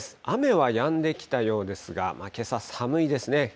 雨はやんできたようですが、けさ、寒いですね。